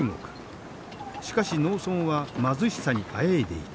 しかし農村は貧しさにあえいでいた。